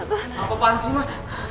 apa apaan sih mah